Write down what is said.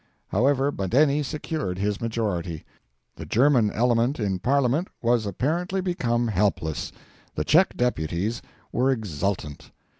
However, Badeni secured his majority. The German element in Parliament was apparently become helpless. The Czech deputies were exultant.